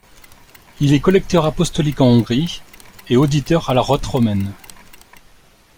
Il est collecteur apostolique en Hongrie et auditeur à la rote romaine.